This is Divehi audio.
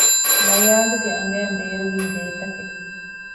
ލަޔާލުގެ އަނގައިން ބޭރުވީ ލޭތަކެއް